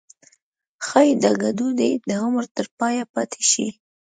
ښایي دا ګډوډي د عمر تر پایه پاتې شي.